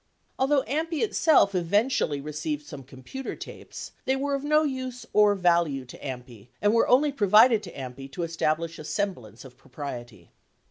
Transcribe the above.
Although AMPI itself eventually received some computer tapes, they were of no use or value to AMPI and were only provided AMPI to establish a semblance of propriety.